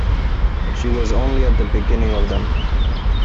She was only at the beginning of them.